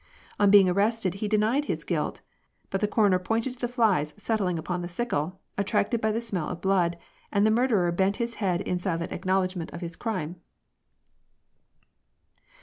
On being arrested, he denied his guilt ; but the coroner pointed to the flies settling upon the sickle, attracted by the smell of blood, and the murderer bent his head in silent acknowledgment of his crime."